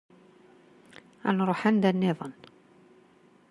Ad nruḥ anda-nniḍen.